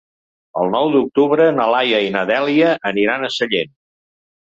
El nou d'octubre na Laia i na Dèlia aniran a Sallent.